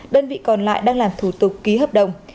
đơn vị còn lại đang làm thủ tục ký hợp đồng